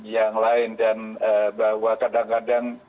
yang lain dan bahwa kadang kadang